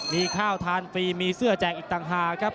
มีข้าวทานฟรีมีเสื้อแจกอีกต่างหากครับ